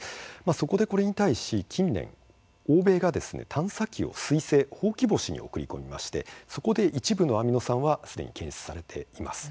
これに対し近年、欧米が探査機をすい星、ほうき星に送り込みましてそこで一部のアミノ酸はすでに検出されています。